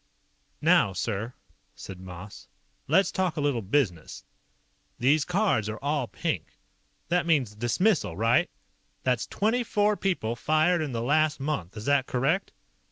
"Now, sir," said Moss. "Let's talk a little business. These cards are all pink. That means dismissal, right? That's twenty four people fired in the last month, is that correct?"